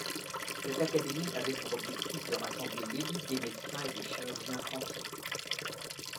Cette académie avait pour objectif de rassembler l'élite des médecins et des chirurgiens français.